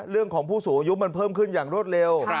เรื่องของผู้สูอายุมันเพิ่มขึ้นอย่างรวดเร็ว